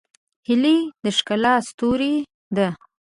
هیلۍ د ښکلا ستوری ده